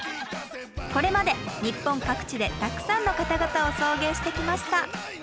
これまで日本各地でたくさんの方々を送迎してきました。